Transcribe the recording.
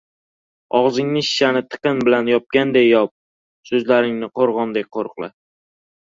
• Og‘zingni shishani tiqin bilan yopgandek yop, so‘zlaringni qo‘rg‘ondek qo‘riqla.